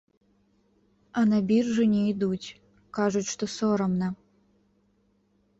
А на біржу не ідуць, кажуць, што сорамна.